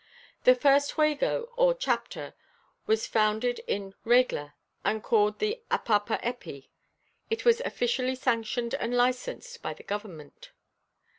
The first Juego or chapter was founded in Regla and called the Apapa Epi; it was officially sanctioned and licensed by the government.